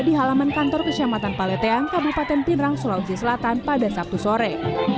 di halaman kantor kecamatan paleteang kabupaten pinerang sulawesi selatan pada sabtu sore